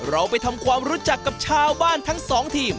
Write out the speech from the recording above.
เราไปทำความรู้จักกับชาวบ้านทั้งสองทีม